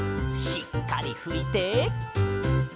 しっかりふいて。